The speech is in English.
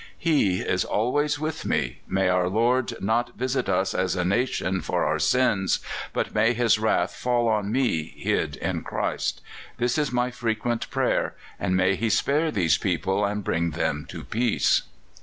"He is always with me. May our Lord not visit us as a nation for our sins, but may His wrath fall on me, hid in Christ. This is my frequent prayer, and may He spare these people and bring them to peace."